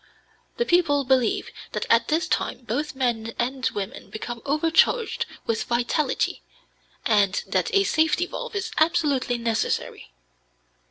The people believe that at this time both men and women become overcharged with vitality, and that a safety valve is absolutely necessary.